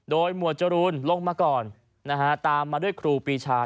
โดยหมวดจรูนลงมาก่อนนะฮะตามมาด้วยครูปีชา